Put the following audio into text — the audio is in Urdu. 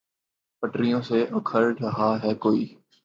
پٹریوں سا اکھڑ رہا ہے کوئی